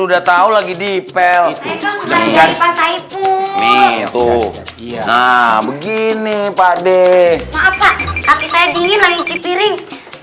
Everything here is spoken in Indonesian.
udah tahu lagi dipel itu juga nih tuh nah begini pakde kaki saya dingin lagi piring